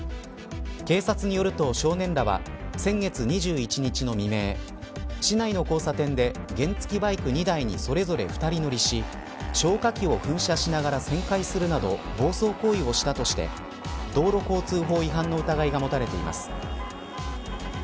警察によると少年らは先月２１日の未明市内の交差点で原付バイク２台にそれぞれ２人乗りし消火器を噴射しながら旋回するなど暴走行為をしたとして道路交通法違反の疑いが持たれています。